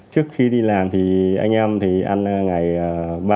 trước khi đi làm thì anh em thì ăn ngày ba mươi